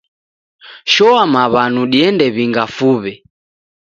Shoa maw'anu diende w'inga fuw'e